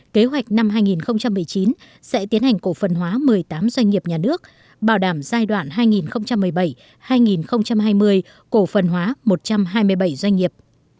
kế hoạch năm hai nghìn một mươi chín sẽ tiến hành cổ phần hóa một mươi tám doanh nghiệp nhà nước bảo đảm giai đoạn hai nghìn một mươi bảy hai nghìn hai mươi cổ phần hóa một trăm hai mươi bảy doanh nghiệp